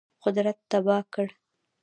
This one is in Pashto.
قدرت تباه کړ.